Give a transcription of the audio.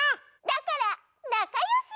だからなかよし！